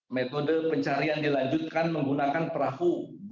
metode pencarian dilanjutkan menggunakan perahu